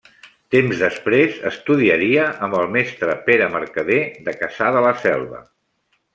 Temps després, estudiaria amb el mestre Pere Mercader de Cassà de la Selva.